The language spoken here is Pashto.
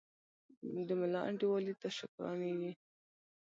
د ملا انډیوالي تر شکرانې وي